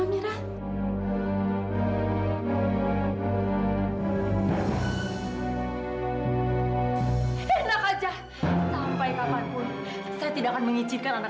sampai jumpa di video selanjutnya